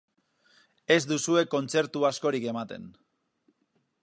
Ez duzue kontzertu askorik ematen.